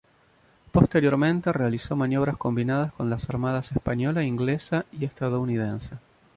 Posteriormente, realizó maniobras combinadas con las armadas española, inglesa y estadounidense.